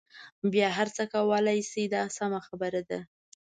بیا هر څه کولای شئ دا سمه خبره ده.